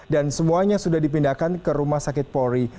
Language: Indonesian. dan semuanya sudah dipindahkan ke rumah sakit pori